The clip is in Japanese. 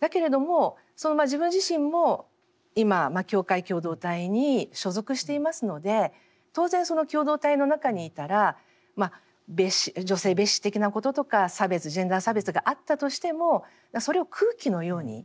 だけれどもその自分自身も今教会共同体に所属していますので当然その共同体の中にいたら女性蔑視的なこととか差別ジェンダー差別があったとしてもそれを空気のように吸っている。